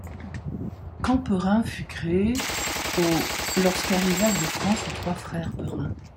Camp-Perrin fut créé au lorsque arrivèrent de France les trois frères Perrin.